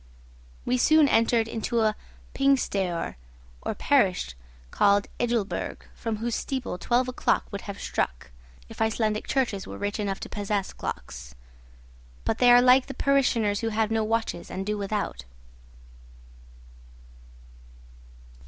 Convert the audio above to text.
We soon entered into a 'pingstaoer' or parish called Ejulberg, from whose steeple twelve o'clock would have struck, if Icelandic churches were rich enough to possess clocks. But they are like the parishioners who have no watches and do without.